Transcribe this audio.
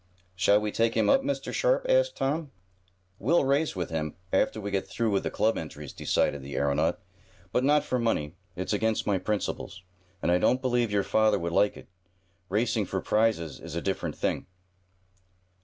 "Shall we take him up, Mr. Sharp?" asked Tom. "We'll race with him, after we get through with the club entries," decided the aeronaut. "But not for money. It's against my principles, and I don't believe your father would like it. Racing for prizes is a different thing."